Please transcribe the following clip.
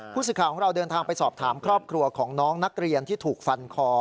ผู้สื่อข่าวของเราเดินทางไปสอบถามครอบครัวของน้องนักเรียนที่ถูกฟันคอ